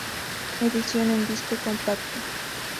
Edición en disco compacto